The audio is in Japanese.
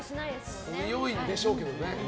強いんでしょうけどね。